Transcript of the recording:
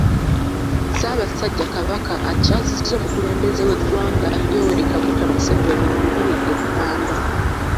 Ssaabasajja Kabaka akyazizza omukulembeze w'eggwanga, Yoweri Kaguta Museveni mu lubiri e Banda.